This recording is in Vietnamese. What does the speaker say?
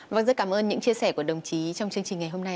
vâng rất cảm ơn những chia sẻ của đồng chí trong chương trình ngày hôm nay